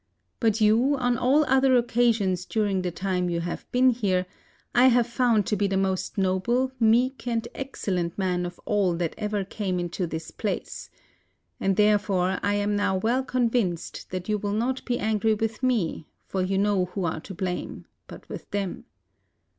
But you on all other occasions during the time you have been here, I have found to be the 179 GREECE most noble, meek, and excellent man of all that ever came into this place ; and therefore, I am now well con vinced that you will not be angry with me, for you know who are to blame, but with them.